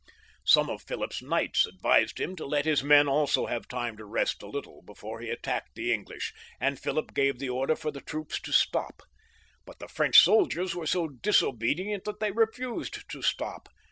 Some of Philip's knights advised him to let his men also have time to rest a little before he attacked the English, and Philip gave the order for the troops to stop ; but the French soldiers were so disobedient that they refused to stop.